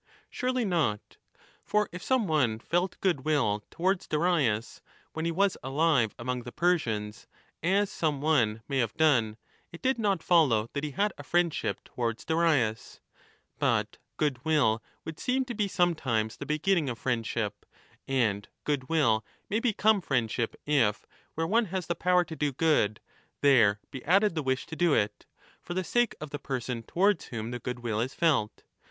Surely not ! For if some one felt goodwill towards Darius, when 5 he was alive among the Persians, as some one may have done, it did not follow that he had a friendship towards Darius) ; but goodwill would seem to be sometimes the beginning of friendship, and goodwill may become friend ship if, where one has the power to do good, there be added the wish to do it for the sake of the person towards swhom the goodwill is felt.